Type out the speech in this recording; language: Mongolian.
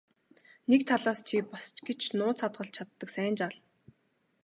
Нэг талаас чи бас ч гэж нууц хадгалж чаддаг сайн жаал.